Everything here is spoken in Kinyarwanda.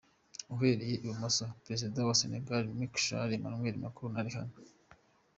Uhereye i bumoso ni Perezida wa Senegal Macky Sall, Emmanuel Macron na Rihanna .